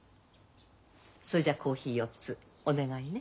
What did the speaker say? それじゃあコーヒー４つお願いね。